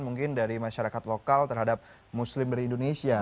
mungkin dari masyarakat lokal terhadap muslim dari indonesia